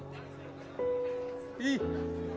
いい。